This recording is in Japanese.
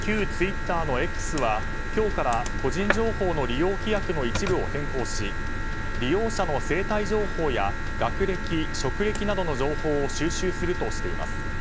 旧ツイッターのＸは今日から個人情報の利用規約の一部を変更し利用者の生体情報や学歴職歴などの情報を収集するとしています。